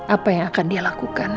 apa yang akan dia lakukan